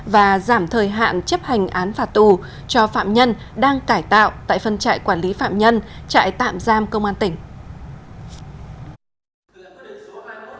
và giảm thời hạn chấp hành án phạt tù cho phạm nhân đang cải tạo tại phân trại quản lý phạm nhân trại tạm giam công an tỉnh